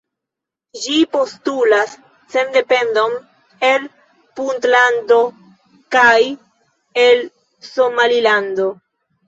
Ĝi postulas sendependon el Puntlando kaj el Somalilando.